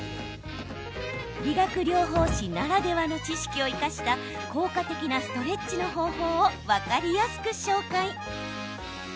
理学療法士ならではの知識を生かした効果的なストレッチの方法を分かりやすく紹介。